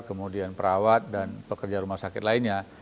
kemudian perawat dan pekerja rumah sakit lainnya